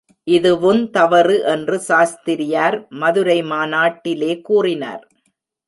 இதுவுந்தவறு என்று சாஸ்திரியார் மதுரை மாநாட்டிலே கூறினார்.